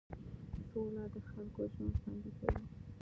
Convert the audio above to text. سوله د خلکو ژوند خوندي کوي.